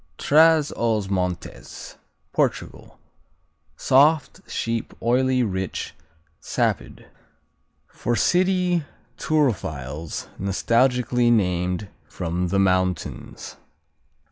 Traz os Montes Portugal Soft; sheep; oily; rich; sapid. For city turophiles nostalgically named "From the Mountains."